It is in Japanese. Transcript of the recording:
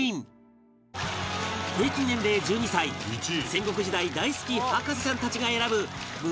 平均年齢１２歳戦国時代大好き博士ちゃんたちが選ぶ胸